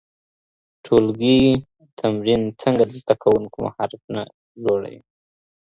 ټولګي تمرین څنګه د زده کوونکو مهارتونه لوړوي؟